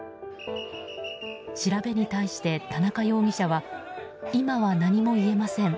調べに対して田中容疑者は今は何も言えません。